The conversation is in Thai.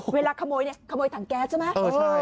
เวลาขโมยเนี่ยขโมยถังแก๊สใช่ไหม